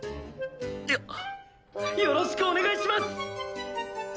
よろしくお願いします！